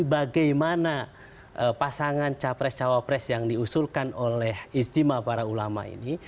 bagaimana pasangan capres cawapres yang diusulkan oleh istimewa para ulama ini